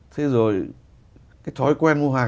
thế rồi cái thói quen mua hàng